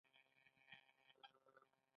چې څنګه صنعت جوړ کړو.